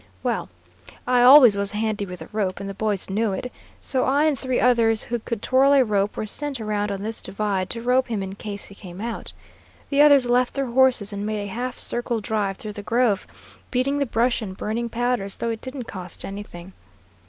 "Well, I always was handy with a rope, and the boys knew it, so I and three others who could twirl a rope were sent around on this divide, to rope him in case he came out. The others left their horses and made a half circle drive through the grove, beating the brush and burning powder as though it didn't cost anything.